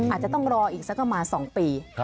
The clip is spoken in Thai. อาจจะต้องรออีกสักประมาณ๒ปี